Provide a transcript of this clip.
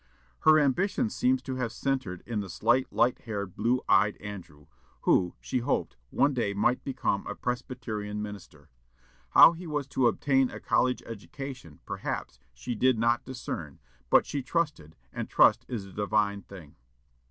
Her ambition seems to have centred in the slight, light haired, blue eyed Andrew, who, she hoped, one day might become a Presbyterian minister. How he was to obtain a college education, perhaps, she did not discern, but she trusted, and trust is a divine thing.